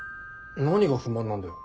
何が不満なんだよ？